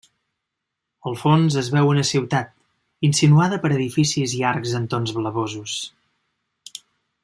Al fons es veu una ciutat, insinuada per edificis i arcs en tons blavosos.